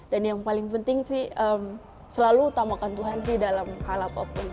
dan yang paling penting sih selalu utamakan tuhan sih dalam hal apapun